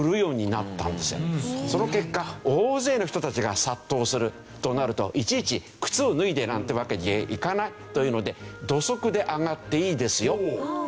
その結果大勢の人たちが殺到するとなるといちいち靴を脱いでなんてわけにいかないというので土足で上がっていいですよという事になった。